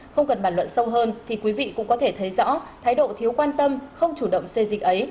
không cần bản luận sâu hơn thì quý vị cũng có thể thấy rõ thái độ thiếu quan tâm không chủ động xây dịch ấy